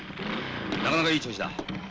なかなかいい調子だ。